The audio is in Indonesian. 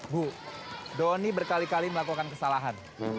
bu doni berkali kali melakukan kesalahan